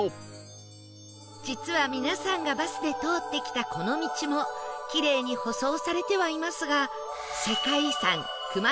実は皆さんがバスで通ってきたこの道もキレイに舗装されてはいますが